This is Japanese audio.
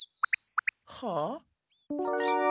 はあ？